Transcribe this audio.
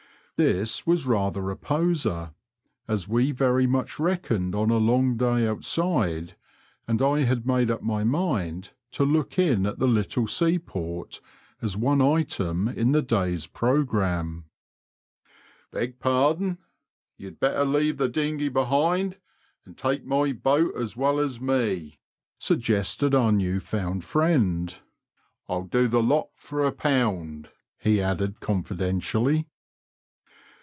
This was rather a poser, as we very much reckoned on a long day outside, and I had made up my mind to look in at the little seaport, as one item in the day's programme. Beg pardon ; you'd better leave the dinghey behmd and take my boat as well as me," suggested our new found friend. " I'll do the lot for a pound," he added confidentially.